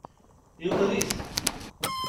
Yuker-it.